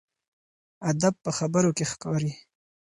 ادب په خبرو کې ښکاري.